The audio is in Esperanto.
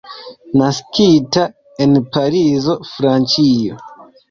Naskita en Parizo, Francio.